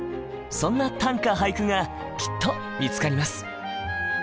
そんな短歌・俳句がきっと見つかります。